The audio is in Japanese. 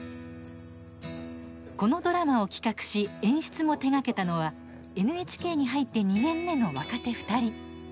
このドラマを企画し演出も手がけたのはＮＨＫに入って２年目の若手２人。